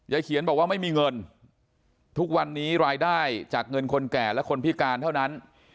เขียนบอกว่าไม่มีเงินทุกวันนี้รายได้จากเงินคนแก่และคนพิการเท่านั้น